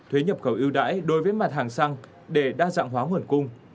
thuế nhập khẩu ưu đãi đối với mặt hàng xăng để đa dạng hóa nguồn cung